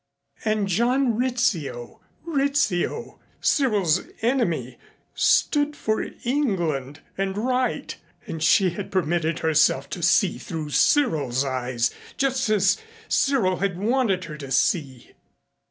And John Rizzio! Rizzio, Cyril's enemy, stood for England and right, and she had permitted herself to see through Cyril's eyes just as Cyril had wanted her to see.